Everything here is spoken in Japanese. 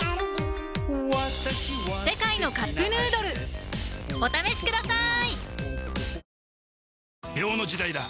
「世界のカップヌードル」お試しください！